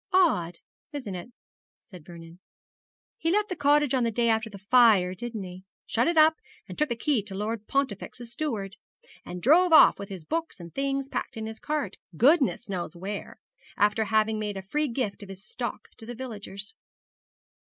'Odd, isn't it?' said Vernon. 'He left the cottage on the day after the fire, didn't he? shut it up, and took the key to Lord Pontifex's steward, and drove off with his books and things packed in his cart, goodness knows where, after having made a free gift of his stock to the villagers.'